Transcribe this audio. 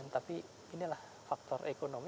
tapi inilah faktor ekonomi